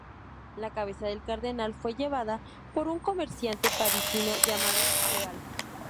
La cabeza del cardenal fue llevada por un comerciante parisino llamado Cheval.